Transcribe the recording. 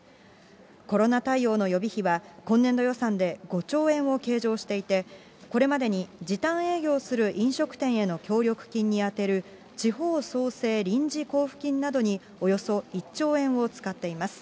コロナ対応の予備費は、今年度予算で５兆円を計上していて、これまでに時短営業する飲食店への協力金に充てる地方創生臨時交付金などに、およそ１兆円を使っています。